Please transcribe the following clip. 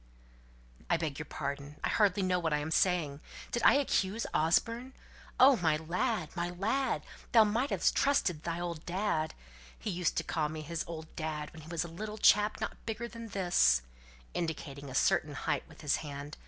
"I beg your pardon. I hardly know what I'm saying. Did I accuse Osborne? Oh, my lad, my lad thou might have trusted thy old dad! He used to call me his 'old dad' when he was a little chap not bigger than this," indicating a certain height with his hand.